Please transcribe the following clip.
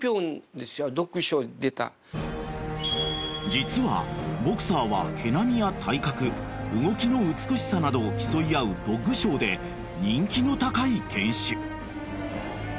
［実はボクサーは毛並みや体格動きの美しさなどを競い合うドッグショーで人気の高い犬種］